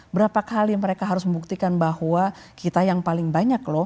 berapa kali mereka harus membuktikan bahwa kita yang paling banyak loh